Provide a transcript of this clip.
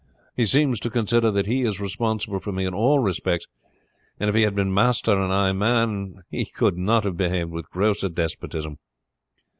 He seems to consider that he is responsible for me in all respects, and if he had been master and I man he could not have behaved with grosser despotism."